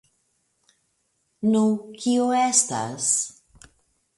Nu, kio estas?